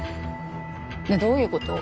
ねえどういうこと？